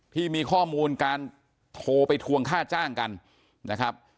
ที่มีข้อมูลการโทรไปทวงค่าจ้างกันนะครับ